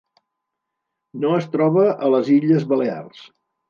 No es troba a les Illes Balears.